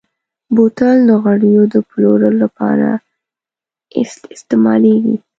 بوتل د غوړیو د پلور لپاره استعمالېږي.